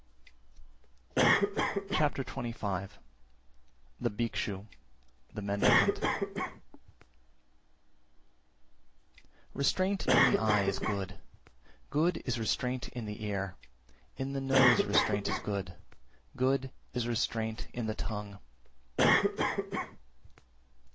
Chapter XXV. The Bhikshu (Mendicant) 360. Restraint in the eye is good, good is restraint in the ear, in the nose restraint is good, good is restraint in the tongue.